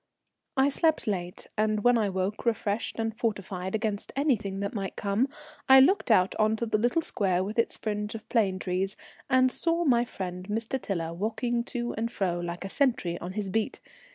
I slept late, and when I woke, refreshed and fortified against anything that might come, I looked out on to the little square with its fringe of plane trees, and saw my friend Mr. Tiler walking to and fro like a sentry on his beat.